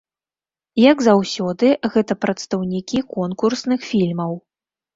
Як заўсёды, гэта прадстаўнікі конкурсных фільмаў.